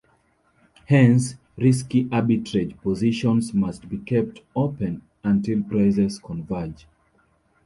Hence, risky arbitrage positions must be kept open until prices converge.